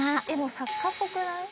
サッカーっぽくない？